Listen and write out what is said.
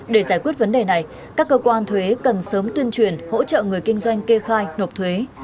để giải quyết vấn đề này các cơ quan thuế cần sớm tuyên truyền hỗ trợ người kinh doanh kê khai nộp thuế